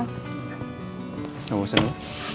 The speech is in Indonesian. nggak usah dulu